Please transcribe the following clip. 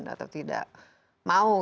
atau tidak mau